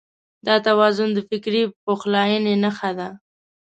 دا توازن د فکري پخلاينې نښه ده.